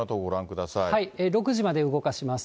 ６時まで動かします。